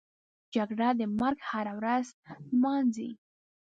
جګړه د مرګ هره ورځ نمانځي